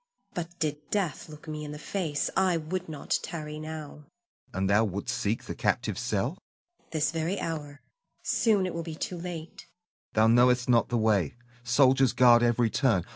But did death look me in the face, I would not tarry now. Hassan. And thou wouldst seek the captive's cell? Zuleika. This very hour. Soon it will be too late. Hassan. Thou knowest not the way, soldiers guard every turn.